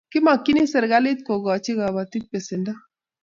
Kimakchini serikalit kokochi kabatik pesendo